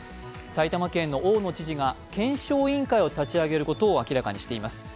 埼玉県の大野知事が検証委員会を立ち上げることを明らかにしています。